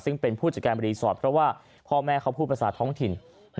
ซึ่งเป็นผู้จัดการรีสอร์ทเพราะว่าพ่อแม่เขาพูดภาษาท้องถิ่น